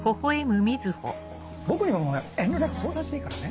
僕にも遠慮なく相談していいからね。